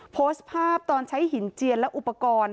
โพสต์ภาพตอนใช้หินเจียนและอุปกรณ์